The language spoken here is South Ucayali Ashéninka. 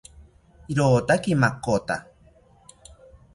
Irotaki makota